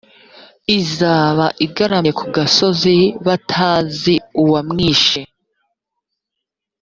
izaba igaramye ku gasozi batazi uwamwishe,